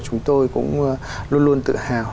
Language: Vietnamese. chúng tôi cũng luôn luôn tự hào